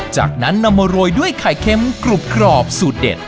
จากนั้นนำมาโรยด้วยไข่เค็มกรุบกรอบสูตรเด็ด